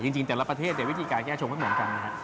จริงแต่ละประเทศวิธีการแก้ชงไม่เหมือนกันนะครับ